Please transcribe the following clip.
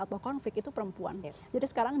atau konflik itu perempuan jadi sekarang